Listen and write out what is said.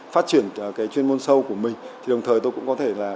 phát triển cái chuyên môn sâu của mình thì đồng thời tôi cũng có thể là